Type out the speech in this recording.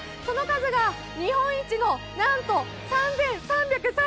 その数が日本一のなんと３３３３段。